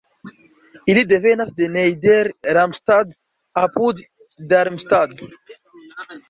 Ili devenas de Nieder-Ramstadt apud Darmstadt.